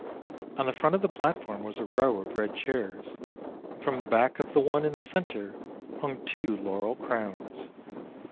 On the front of the platform was a row of red chairs; and from the back of the one in the centre hung two laurel crowns.